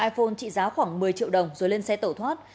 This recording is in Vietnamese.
iphone trị giá khoảng một mươi triệu đồng rồi lên xe tẩu thoát